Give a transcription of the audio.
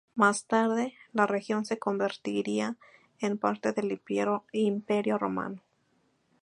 Más tarde, la región se convertiría en parte del Imperio romano.